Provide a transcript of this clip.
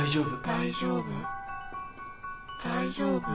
大丈夫大丈夫？